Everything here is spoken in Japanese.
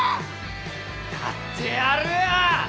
やってやるよ！